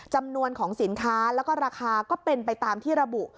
จำนวนของสินค้าแล้วก็ราคาก็เป็นไปตามที่ระบุ